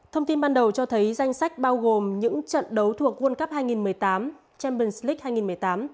thông tin ban đầu cho thấy danh sách bao gồm những trận đấu thuộc world cup hai nghìn một mươi tám champion slic hai nghìn một mươi tám